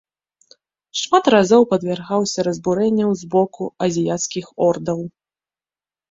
Шмат разоў падвяргаўся разбурэнняў з боку азіяцкіх ордаў.